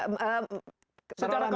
merek atau patent